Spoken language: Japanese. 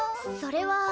それは。